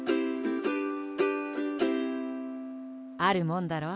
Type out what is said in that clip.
あるもんだろ。